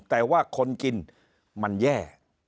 แต่ว่าคนกินมันแย่